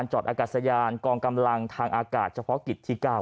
ณอากาศสยานกองกำรังทางอากาศเฉพาะกิจที่๙ครับ